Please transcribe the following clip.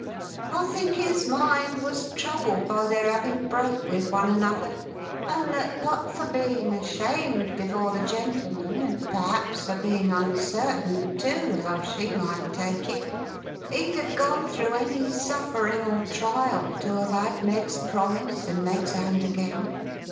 I think his mind was troubled by their having broke with one another; and that but for being ashamed before the gentlemen, and perhaps for being uncertain too, how she might take it, he'd have gone through any suffering or trial to have had Meg's promise and Meg's hand again.